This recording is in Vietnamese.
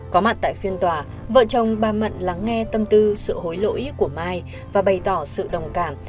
có mặt tại phiên tòa vợ chồng bà mận lắng nghe tâm tư sự hối lỗi của mai và bày tỏ sự đồng cảm